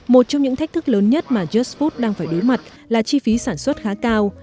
một trong những thách thức lớn nhất mà just food đang phải đối mặt là chi phí sản xuất khá cao